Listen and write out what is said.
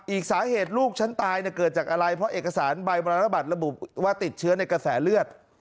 อีกสาเหตุลูกฉันตายเกิดจากอะไรเพราะเอกสารใบมรณบัตรระบุว่าติดเชื้อในกระแสเลือด